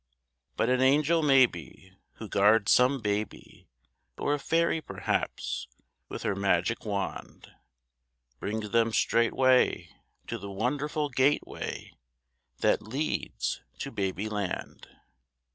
But an angel maybe, who guards some baby, Or a fairy perhaps, with her magic wand, Brings them straightway to the wonderful gateway That leads to Babyland.